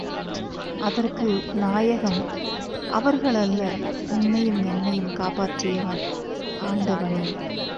அதற்கு நாயகம் அவர்கள், அல்ல உன்னையும் என்னையும் காப்பாற்றியவன் ஆண்டவனே!